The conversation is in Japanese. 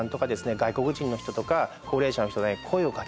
外国人の人とか高齢者の人へ声をかける。